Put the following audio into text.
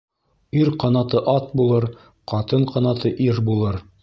Ир ҡанаты ат булыр, ҡатын ҡанаты ир булыр.